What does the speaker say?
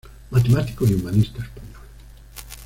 Matemático y humanista español.